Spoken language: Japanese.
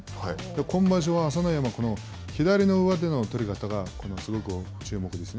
今場所は朝乃山、左の上手の取り方がすごく注目ですね。